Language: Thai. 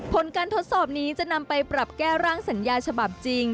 ผลการทดสอบนี้จะนำไปปรับแก้ร่างสัญญาฉบับจริง